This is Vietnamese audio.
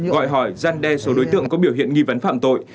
gọi hỏi gian đe số đối tượng có biểu hiện nghi vấn phạm tội